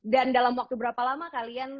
dalam waktu berapa lama kalian